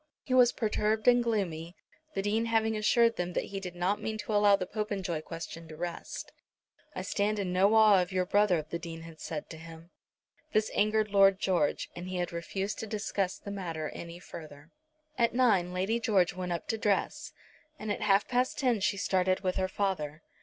He was perturbed and gloomy, the Dean having assured them that he did not mean to allow the Popenjoy question to rest. "I stand in no awe of your brother," the Dean had said to him. This had angered Lord George, and he had refused to discuss the matter any further. At nine Lady George went up to dress, and at half past ten she started with her father.